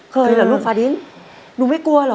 เหรอลูกฟาดินหนูไม่กลัวเหรอ